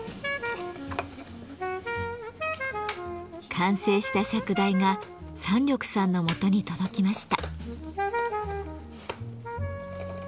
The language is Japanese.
完成した釈台が山緑さんのもとに届きました。